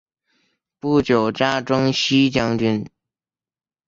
不久加征西将军。